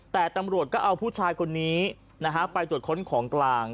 แต่ตำรวจก็เอาผู้ชายคนนี้ไปจดค้นของกลาง